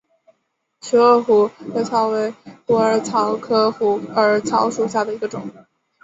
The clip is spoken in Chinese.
直萼虎耳草为虎耳草科虎耳草属下的一个种。